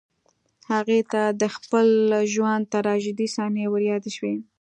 هغې ته د خپل ژوند تراژيدي صحنې وريادې شوې